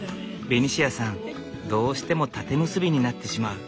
ベニシアさんどうしても縦結びになってしまう。